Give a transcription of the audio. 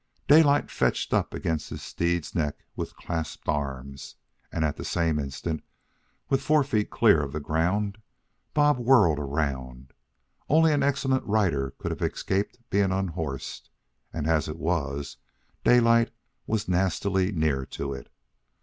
Daylight fetched up against his steed's neck with clasped arms, and at the same instant, with fore feet clear of the ground, Bob whirled around. Only an excellent rider could have escaped being unhorsed, and as it was, Daylight was nastily near to it.